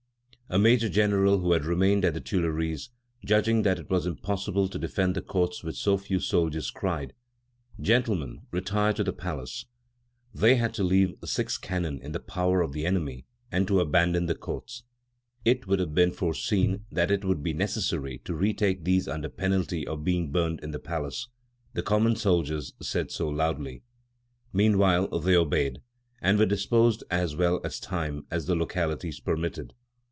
A major general who had remained at the Tuileries, judging that it was impossible to defend the courts with so few soldiers, cried: "Gentlemen, retire to the palace!" "They had to leave six cannon in the power of the enemy and to abandon the courts. It should have been foreseen that it would be necessary to retake these under penalty of being burned in the palace; the common soldiers said so loudly. Meanwhile they obeyed, and were disposed as well as time and the localities permitted.